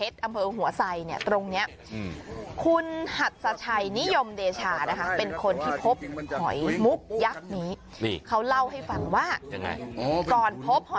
ตัวเองฝาและอยู่เหมือนกัน